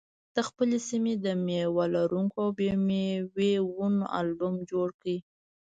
د خپلې سیمې د مېوه لرونکو او بې مېوې ونو البوم جوړ کړئ.